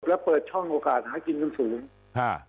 แล้วเปิดช่องโอกาสหากินกันสูงฮะ